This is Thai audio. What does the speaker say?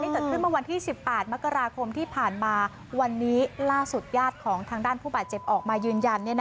เกิดขึ้นเมื่อวันที่๑๘มกราคมที่ผ่านมาวันนี้ล่าสุดญาติของทางด้านผู้บาดเจ็บออกมายืนยัน